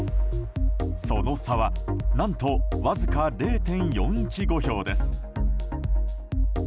その差は何とわずか０．４１５票です。